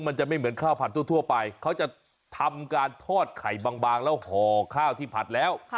มันจะไม่เหมือนข้าวผัดทั่วไปเขาจะทำการทอดไข่บางแล้วห่อข้าวที่ผัดแล้ว